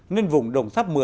nên vùng đồng tháp một mươi